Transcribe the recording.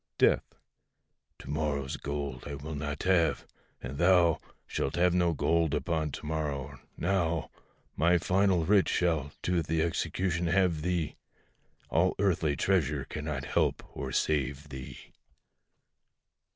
DEATH. To morrow's gold I will not have; and thou Shalt have no gold upon to morrow: now My final writ shall to th' execution have thee, All earthly treasure cannot help or save thee.